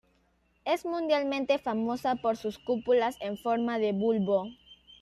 Es mundialmente famosa por sus cúpulas en forma de bulbo.